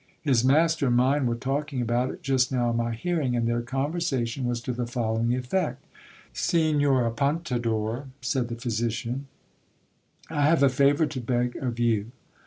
His master and mine were talking about it just now in my hearing, and their conversation was to the following effect :— Signor Apun tador, said the physician, I have a favour to beg of ycu.